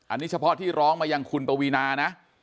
อันนี้เฉพาะที่ร้องมายังคุณปวีนานะ